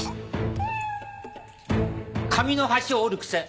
紙の端を折る癖。